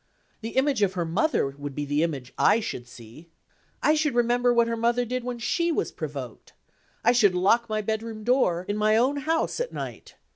The image of her mother would be the image I should see. I should remember what her mother did when she was provoked; I should lock my bedroom door, in my own house, at night.